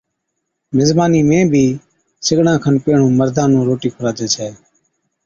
مزمانِي ۾ بِي سِگڙان کن پيھڻُون مردان نُون روٽِي کُڙاجَي ڇَي